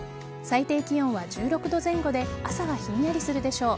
最低気温は１６度前後で朝はひんやりするでしょう。